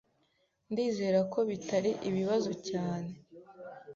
Ndizera ko bitari ibibazo cyane.